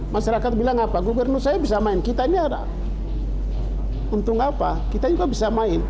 masyarakat bilang apa gubernur saya bisa main kita ini ada untung apa kita juga bisa main